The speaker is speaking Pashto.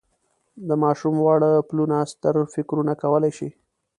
د ماشوم واړه پلونه ستر فکرونه کولای شي.